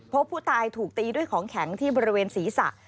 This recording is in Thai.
พบผู้ตายถูกตีด้วยของแข็งที่บริเวณศีรษะ